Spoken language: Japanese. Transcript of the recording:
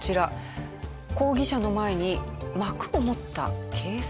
抗議者の前に幕を持った警察官。